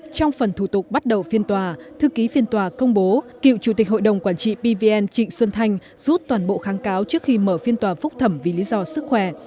trong phần thủ tục bắt đầu phiên tòa thư ký phiên tòa công bố cựu chủ tịch hội đồng quản trị pvn trịnh xuân thanh rút toàn bộ kháng cáo trước khi mở phiên tòa phúc thẩm vì lý do sức khỏe